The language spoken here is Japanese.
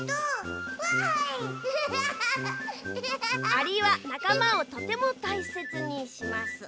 「アリはなかまをとてもたいせつにします」。